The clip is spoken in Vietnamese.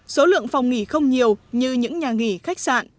số lượng phòng nghỉ không nhiều như những nhà nghỉ khách sạn